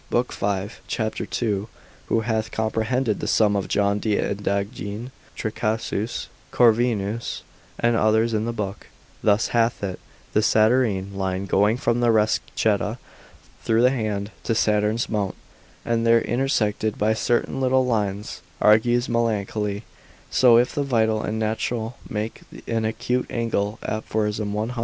lib. 5. cap. 2, who hath comprehended the sum of John de Indagine: Tricassus, Corvinus, and others in his book, thus hath it; The Saturnine line going from the rascetta through the hand, to Saturn's mount, and there intersected by certain little lines, argues melancholy; so if the vital and natural make an acute angle, Aphorism 100.